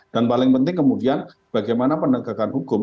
dan paling penting kemudian bagaimana penegakan hukum